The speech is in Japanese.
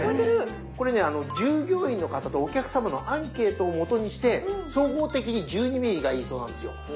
これね従業員の方とお客様のアンケートをもとにして総合的に１２ｍｍがいいそうなんですよ。